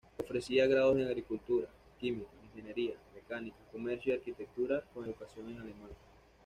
Ofrecía grados en agricultura, química, ingeniería, mecánica, comercio y arquitectura, con educación en alemán.